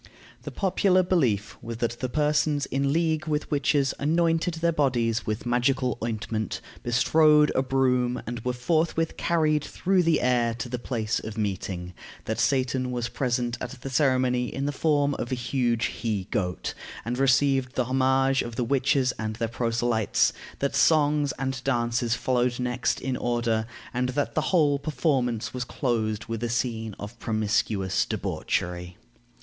The popular belief was that the persons in league with witches anointed their bodies with magical ointment, bestrode a broom, and were forthwith carried through the air to the place of meeting; that Satan was present at the ceremony in the form of a huge he goat, and received the homage of the witches and their proselytes; that songs and dances followed next in order, and that the whole performance was closed with a scene of promiscuous debauchery.